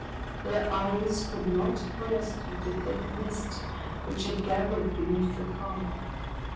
Their eyes could not pierce through the thick mist which had gathered beneath the car.